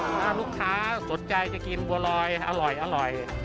ถ้าลูกค้าสนใจจะกินบัวลอยอร่อย